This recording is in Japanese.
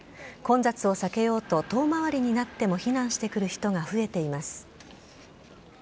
混雑を避けようと、遠回りになっても避難してくる人が増えています。